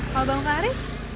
kalau bang fahri